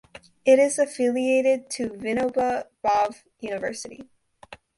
It is affiliated to Vinoba Bhave University.